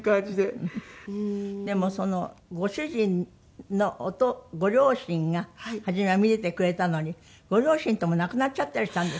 でもそのご主人のご両親が初めは見ていてくれたのにご両親とも亡くなっちゃったりしたんですって？